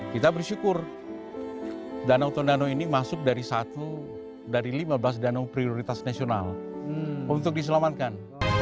kita bersyukur danau tondano ini masuk dari satu dari lima belas danau prioritas nasional untuk diselamatkan